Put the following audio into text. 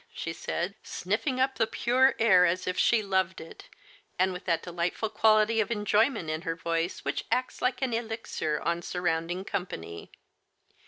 " she said, sniffing up the pure air as if she loved it, and with that deh'ghtful quality of enjoyment in her voice which acts like an elixir on surrounding company.